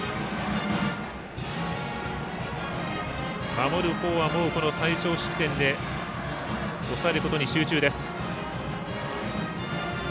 守るほうは、最少失点で抑えることに集中です。